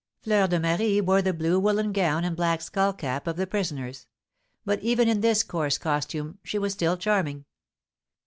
Fleur de Marie wore the blue woollen gown and black skull cap of the prisoners; but even in this coarse costume she was still charming.